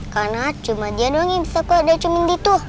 karena cuma dia doang yang bisa keluar dari cermin itu